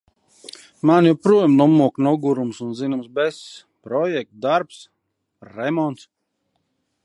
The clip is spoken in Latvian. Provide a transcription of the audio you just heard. Mani joprojām nomoka nogurums un zināms besis – projekti, darbs, remonts...